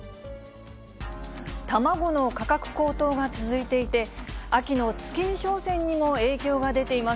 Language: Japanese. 卵の価格高騰が続いていて、秋の月見商戦にも影響が出ています。